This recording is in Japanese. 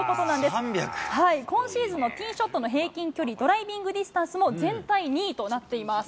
今シーズンのピンショットの平均距離、ドライビングディスタンスも全体２位となっています。